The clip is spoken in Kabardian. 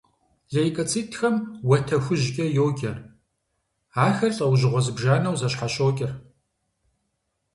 Лейкоцитхэм уэтэ хужькӏэ йоджэ. Ахэр лӏэужьыгъуэ зыбжанэу зэщхьэщокӏыр.